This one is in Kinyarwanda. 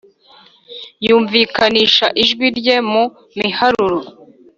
yumvikanisha ijwi rye mu miharuro,